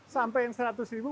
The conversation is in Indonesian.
sampai yang seratus ribu